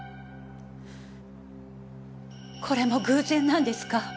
これも偶然なんですか？